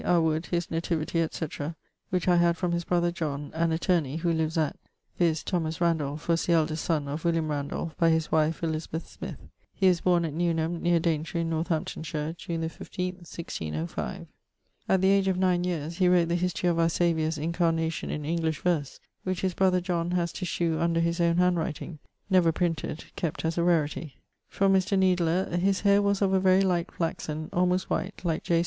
à Wood his nativity etc., which I had from his brother John, an attorney (who lives at ...), viz. Thomas Randolph was the eldest son of William Randolph by his wife Elizabeth Smyth; he was borne at Newnham neer Daintre in Northamptonshire, June the fifteenth, 1605. At the age of nine yeares, he wrot the history of our Saviour's incarnation in English verse, which his brother John haz to shew under his owne handwriting never printed, kept as a rarity. From Mr. Needler: his haire was of a very light flaxen, almost white (like J.